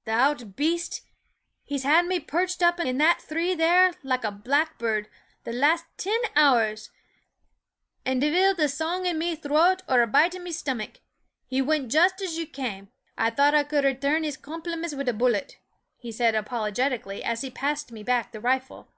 " Th' ould baste ! he 's had me perrched up in that three there, like a blackburrd, the last tin hours ; an' divil th' song in me throat or a bite in me stomach. He wint just as you came I thought I could returrn his compliments wid a bullet," he said, apolo getically, as he passed me back the rifle.